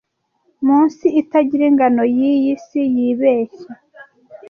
munsi itagira ingano yiyi si yibeshya